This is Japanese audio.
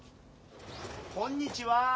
・こんにちは。